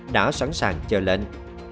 đã sẵn sàng chờ lệnh